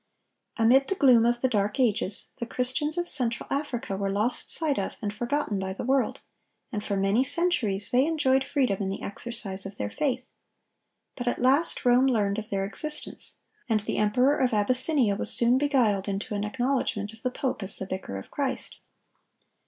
Amid the gloom of the Dark Ages, the Christians of Central Africa were lost sight of and forgotten by the world, and for many centuries they enjoyed freedom in the exercise of their faith. But at last Rome learned of their existence, and the emperor of Abyssinia was soon beguiled into an acknowledgment of the pope as the vicar of Christ.